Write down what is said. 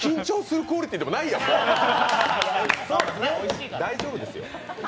緊張するクオリティーでもないやん、大丈夫です。